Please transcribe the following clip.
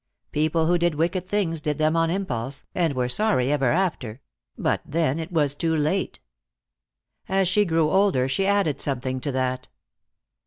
People who did wicked things did them on impulse, and were sorry ever after; but then it was too late. As she grew older, she added something to that.